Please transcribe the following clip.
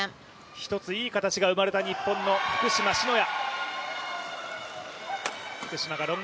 １ついい形が生まれた日本の福島・篠谷。